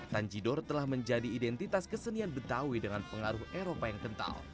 tanjidor telah menjadi identitas kesenian betawi dengan pengaruh eropa yang kental